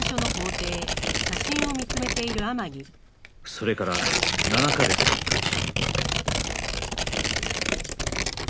それから７カ月が経ち